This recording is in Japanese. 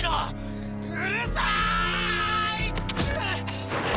うるさーい！！